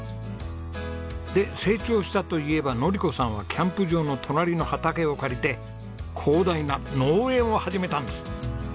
で成長したといえば典子さんはキャンプ場の隣の畑を借りて広大な農園を始めたんです。